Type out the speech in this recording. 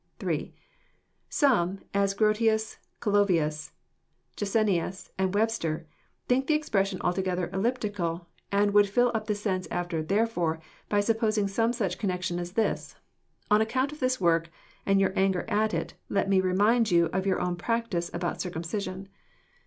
— (8) Some, as Grotius, Calovius, Jansenius, and Webster, think the expression altogether elliptical, and would fill up the sense after "therefore," by supposing some such connection as this :—" On account of this work and your anger at it, let me remind you of your own practice about circumcision."